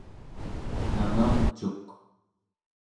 nangamcuk